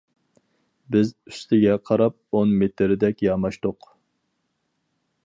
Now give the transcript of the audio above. بىز ئۈستىگە قاراپ ئون مېتىردەك ياماشتۇق.